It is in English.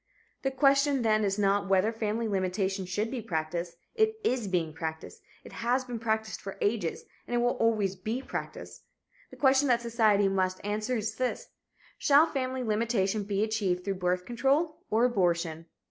The question, then, is not whether family limitation should be practiced. It is being practiced; it has been practiced for ages and it will always be practiced. The question that society must answer is this: Shall family limitation be achieved through birth control or abortion?